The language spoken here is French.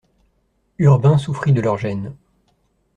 Urbain souffrit de leur gêne.